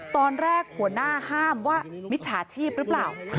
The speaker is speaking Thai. ตอนแรกหัวหน้าห้ามว่ามิจฉาชีพหรือเปล่า